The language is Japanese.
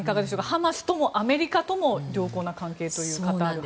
ハマスともアメリカとも良好な関係というカタール。